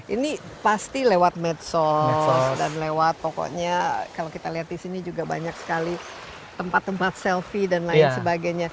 ini pasti lewat medsos dan lewat pokoknya kalau kita lihat di sini juga banyak sekali tempat tempat selfie dan lain sebagainya